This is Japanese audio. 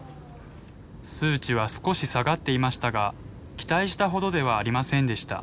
数値は少し下がっていましたが期待したほどではありませんでした。